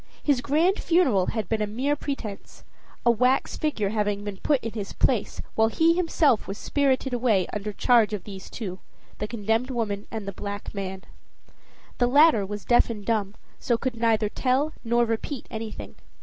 His grand funeral had been a mere pretense: a wax figure having been put in his place, while he himself was spirited away under charge of these two, the condemned woman and the black man. The latter was deaf and dumb, so could neither tell nor repeat anything.